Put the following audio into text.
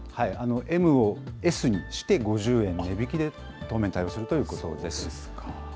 ＭをＳにして５０円値引きで当面対応するということです。